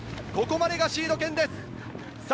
ここまでがシード権です。